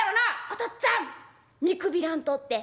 「おとっつぁん見くびらんとって。